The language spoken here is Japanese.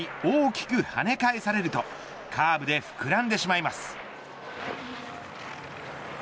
溝に引っかかり大きく跳ね返されるとカーブで膨らんでしまいます。